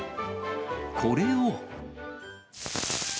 これを。